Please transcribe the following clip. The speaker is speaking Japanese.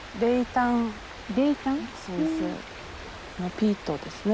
ピートですね。